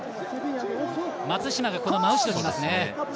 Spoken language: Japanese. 松島が真後ろにいますね。